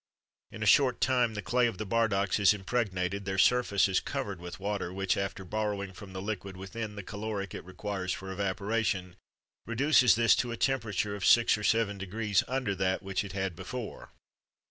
In a short time the clay of the bardaks is impregnated; their surface is covered with water, which, after borrowing from the liquid within the caloric it requires for evaporation, reduces this to a temperature of six or seven degrees under that which it had before."